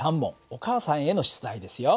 お母さんへの出題ですよ。